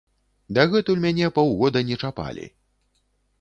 Дагэтуль мяне паўгода не чапалі.